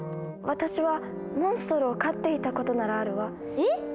私はモンストロを飼っていたことならあるわ。えっ？